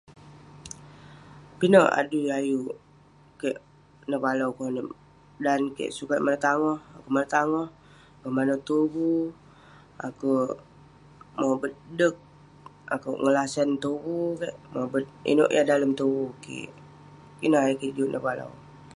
Pinek adui ayuk kek nevalau konep. Dan kek sukat manouk tangoh, akouk manouk tangoh, akouk manouk tuvu, akouk mobet deg, akouk ngelasan tuvu kek, mobet inouk yah dalem tuvu kik. Ineh ayuk kik juk nevalau.